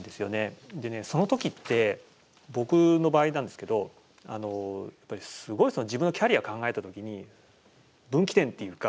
その時って僕の場合なんですけどやっぱり、すごい自分のキャリアを考えた時に分岐点っていうか